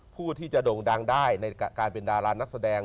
ผู้ที่จะโด่งดังได้ในการเป็นดารานักแสดง